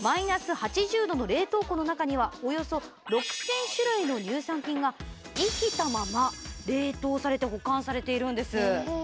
ー８０℃の冷凍庫の中にはおよそ６０００種類の乳酸菌が生きたまま冷凍されて保管されているんです。